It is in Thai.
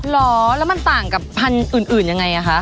เหรอแล้วมันต่างกับพันธุ์อื่นยังไงคะ